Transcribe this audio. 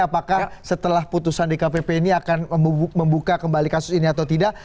apakah setelah putusan dkpp ini akan membuka kembali kasus ini atau tidak